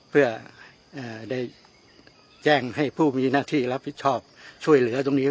เพื่อได้แจ้งให้ผู้มีหน้าที่รับผิดชอบช่วยเหลือตรงนี้